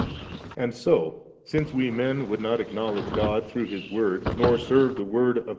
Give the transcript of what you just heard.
And so, since we men would not acknowledge God throu^ His Word, nor serve the Word of God out f John s.